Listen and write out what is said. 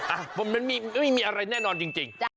อ่ะมันไม่มีอะไรแน่นอนจริง